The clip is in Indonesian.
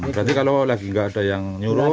berarti kalau lagi nggak ada yang nyuruh